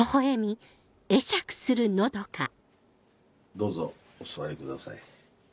どうぞお座りください。